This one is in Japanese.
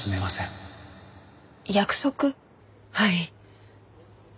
はい。